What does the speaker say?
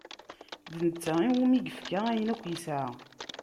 D netta iwumi i yefka ayen akk yesɛa.